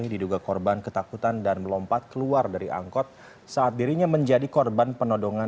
diduga korban ketakutan dan melompat keluar dari angkot saat dirinya menjadi korban penodongan